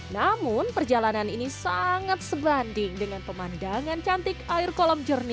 namun perjalanan ini sangat sebanding dengan pemandangan cantik air kolam jernih